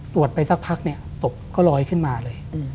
ไปสักพักเนี่ยศพก็ลอยขึ้นมาเลย